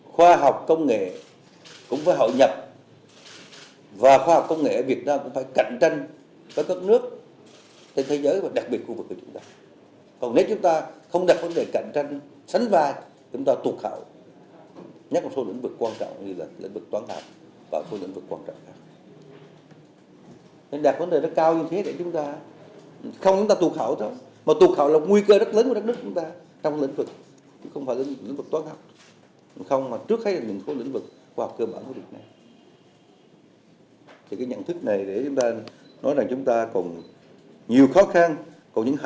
thủ tướng nêu rõ trong phát triển khoa học công nghệ nếu chúng ta không đặt vấn đề cạnh tranh sánh vai với thế giới thì sẽ bị tụt hậu